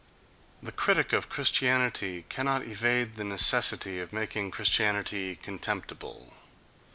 The critic of Christianity cannot evade the necessity of making Christianity contemptible.